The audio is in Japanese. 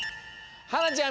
はなちゃん